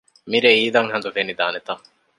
މިރޭ އީދަށް ހަނދު ފެނިދާނެތަ؟